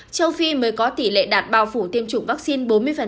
châu phi mới có tỷ lệ đạt bào phủ tiêm chủng vắc xin bốn mươi